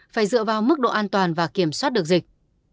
phải dựa vào mức độ an toàn và kiểm soát được dịch